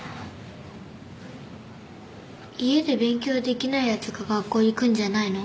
家で勉強できないやつが学校行くんじゃないの？